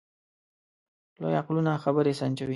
لوی عقلونه خبرې سنجوي.